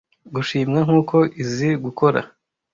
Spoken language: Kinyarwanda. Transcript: gushimwa nkuko izi gukora